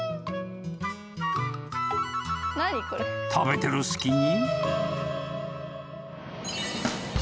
［食べてる隙に］